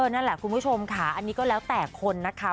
นั่นแหละคุณผู้ชมค่ะอันนี้ก็แล้วแต่คนนะคะ